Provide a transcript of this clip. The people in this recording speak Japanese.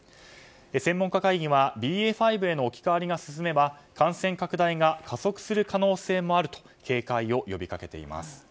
専門家会議はＢＡ．５への置き換わりが進めば感染拡大が加速する可能性もあると警戒を呼びかけています。